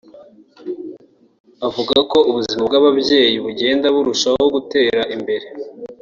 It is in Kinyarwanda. avuga ko ubuzima bw’ababyeyi bugenda burushaho gutera imbere